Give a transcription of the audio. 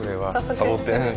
サボテン。